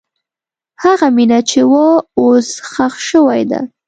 هغه مینه چې وه، اوس ښخ شوې ده.